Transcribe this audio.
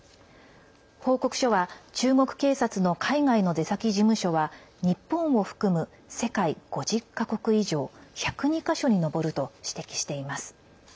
報告書は中国警察の海外の出先事務所は日本を含む世界５０か国以上１０２か所に上ると指摘しています。